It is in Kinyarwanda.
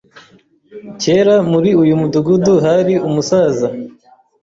Kera, muri uyu mudugudu hari umusaza.